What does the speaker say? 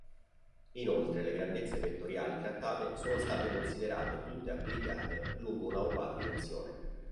Inoltre le grandezze vettoriali trattate sono state considerate tutte applicate lungo una ugual direzione.